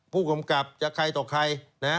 ผู้คัมกรรมจะใครต่อใคร